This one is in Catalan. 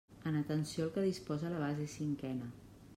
En atenció al que disposa la base cinquena.